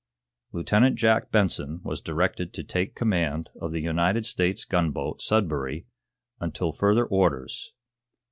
Lieutenant Jack Benson was directed to take command of the United States gunboat, 'Sudbury,' until further orders.